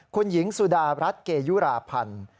คุณหญิงสุดารัฐเกยุราพันธ์